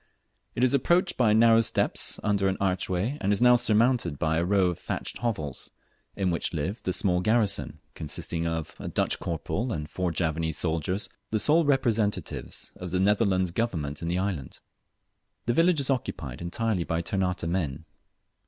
It is approached by narrow steps under an archway, and is now surmounted by a row of thatched hovels, in which live the small garrison, consisting of, a Dutch corporal and four Javanese soldiers, the sole representatives of the Netherlands Government in the island. The village is occupied entirely by Ternate men.